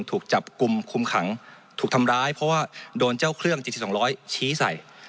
ถูกจับกุมคุ้มขังถูกทำร้ายเพราะว่าโดนเจ้าเครื่องจีทีสองร้อยชี้ใส่